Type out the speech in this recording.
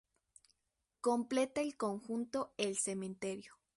Completa el conjunto el cementerio.